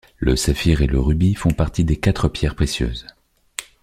Le saphir et le rubis font partie des quatre pierres précieuses.